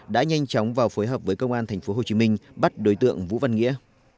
đã nhanh chóng vào phối hợp với công an tp hcm bắt đối tượng vũ văn nghĩa